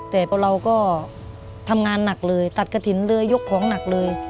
แต่เราก็ทำงานหนักเลยตัดกระถิ่นเลยยกของหนักเลย